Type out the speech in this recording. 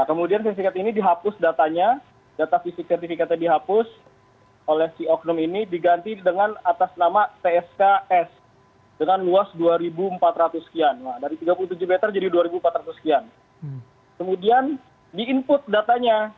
kemudian di input datanya